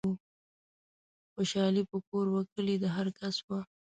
خوشحالي په کور و کلي د هرکس وه